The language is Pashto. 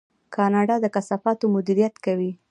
کاناډا د کثافاتو مدیریت کوي.